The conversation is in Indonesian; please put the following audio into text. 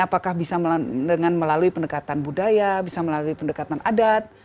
apakah bisa dengan melalui pendekatan budaya bisa melalui pendekatan adat